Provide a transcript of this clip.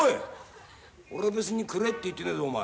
俺別にくれって言ってねえぞお前。